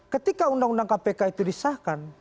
ketika undang undang kpk itu disahkan